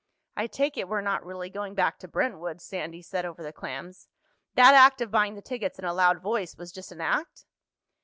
"I take it we're not really going back to Brentwood," Sandy said over the clams. "That act of buying the tickets in a loud voice was just an act?"